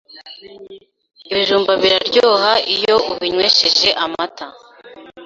ibijumba biraryoha iyo ubinywesheje amata